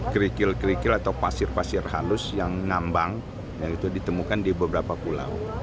kerikil kerikil atau pasir pasir halus yang ngambang yang itu ditemukan di beberapa pulau